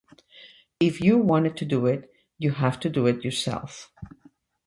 ''If you wanted to do it, you have to do it yourself.''